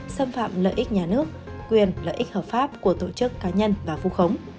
xâm phạm lợi ích nhà nước quyền lợi ích hợp pháp của tổ chức cá nhân và vu khống